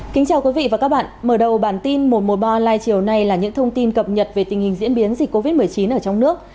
kính chào quý vị và các bạn mở đầu bản tin một trăm một mươi ba online chiều nay là những thông tin cập nhật về tình hình diễn biến dịch covid một mươi chín ở trong nước